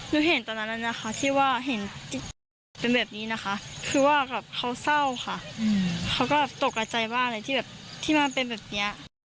อยู่เห็นตอนนั้นน่ะค่ะที่เห็นเป็นแบบนี้นะคะ